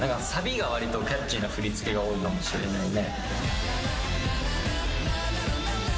サビがキャッチーな振り付けが多いかもしれないね。